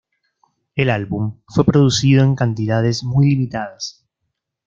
El álbum fue producido en cantidades muy limitadas.